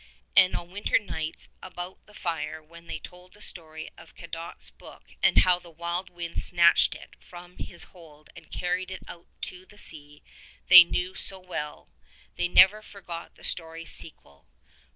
And on winter nights about the fire when they told the story of Cadoc's book and how the wild wind snatched it from his hold and carried it out to the sea they knew so well, they never forgot the story's sequel.